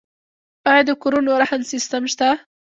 آیا د کورونو رهن سیستم شته؟